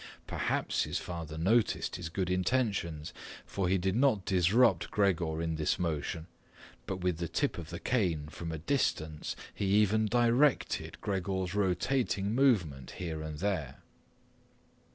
Perhaps his father noticed his good intentions, for he did not disrupt Gregor in this motion, but with the tip of the cane from a distance he even directed Gregor's rotating movement here and there.